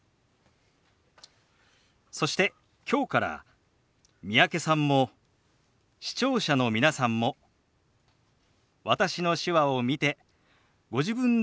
そしてきょうから三宅さんも視聴者の皆さんも私の手話を見てご自分でも表現していただきます。